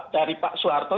dari pak soeharto